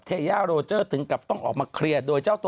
ตามมาจนถึงเบรกสุดท้ายของรายการ